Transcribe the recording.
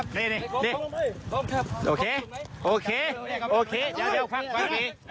ฟังพี่